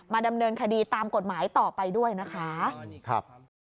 ดำเนินคดีตามกฎหมายต่อไปด้วยนะคะ